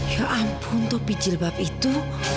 ya ampun topi jilbab itu